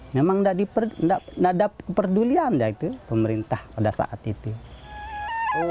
memang tidak ada perdulian ya itu pemerintah pada saat itu